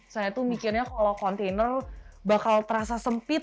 saya tuh mikirnya kalau kontainer bakal terasa sempit